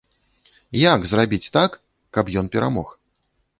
Як зрабіць так, каб ён перамог?